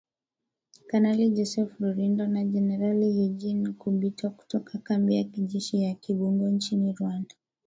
Kanali Joseph Rurindo na Jenerali Eugene Nkubito, kutoka kambi ya kijeshi ya Kibungo nchini Rwanda.